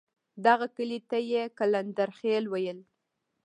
دغه کلي ته یې قلندرخېل ویل.